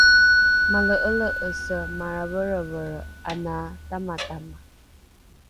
male’ele’ese maraverevere ana tamatama